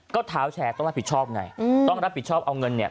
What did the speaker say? ก็เท้าแชร์ต้องรับผิดชอบไงต้องรับผิดชอบเอาเงินเนี่ย